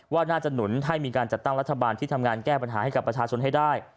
ว่าน่าจะหนุนให้มีการจัดตั้งรัฐบาลที่ทำงานแก้ปัญหาให้กับประชาชนให้ได้